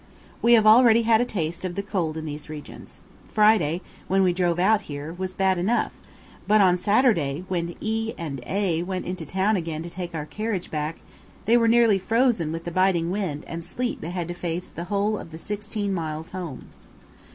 We have already had a taste of the cold in these regions. Friday, when we drove out here, was bad enough; but on Saturday, when E and A went into town again to take our carriage back, they were nearly frozen with the biting wind and sleet they had to face the whole of the sixteen miles home.